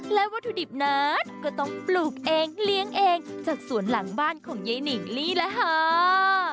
และวัตถุดิบนั้นก็ต้องปลูกเองเลี้ยงเองจากสวนหลังบ้านของยายนิ่งนี่แหละค่ะ